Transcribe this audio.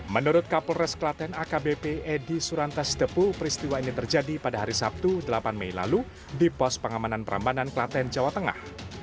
menurut kapolres klaten akbp edi surantas depu peristiwa ini terjadi pada hari sabtu delapan mei lalu di pos pengamanan perambanan klaten jawa tengah